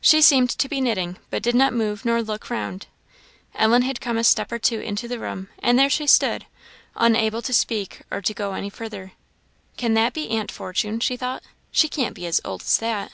She seemed to be knitting, but did not move nor look round. Ellen had come a step or two into the room, and there she stood, unable to speak or to go any further. "Can that be Aunt Fortune?" she thought; "she can't be as old as that!"